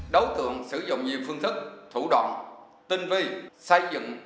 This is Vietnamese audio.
đối tượng sử dụng nhiều phương thức thủ đoạn tinh vi xây dựng